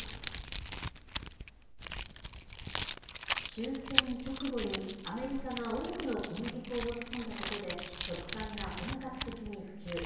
終戦直後に、アメリカが多くの小麦粉を持ち込んだことで、食パンが本格的に普及。